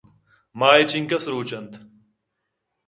ماہ ءِ چنکس روچ اَنت ؟